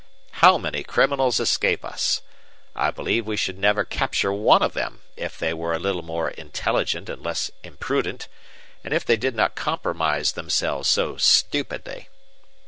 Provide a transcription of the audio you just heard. How many criminals escape us! I believe we should never capture one of them, if they were a little more intelligent and less imprudent, and if they did not compromise themselves so stupidly.